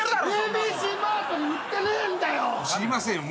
知りませんよ。